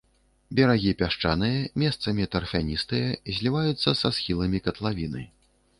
Берагі пясчаныя, месцамі тарфяністыя, зліваюцца са схіламі катлавіны.